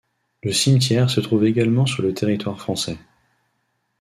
Le cimetière se trouve également sur le territoire français.